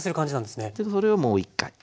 それをもう一回。